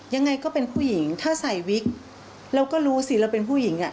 ยังไงก็เป็นผู้หญิงถ้าใส่วิกเราก็รู้สิเราเป็นผู้หญิงอ่ะ